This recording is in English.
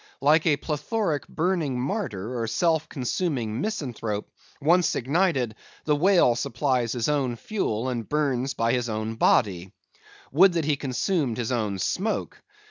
Like a plethoric burning martyr, or a self consuming misanthrope, once ignited, the whale supplies his own fuel and burns by his own body. Would that he consumed his own smoke!